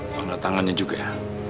pernah tangannya juga ya